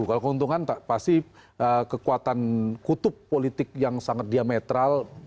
kalau keuntungan pasti kekuatan kutub politik yang sangat diametral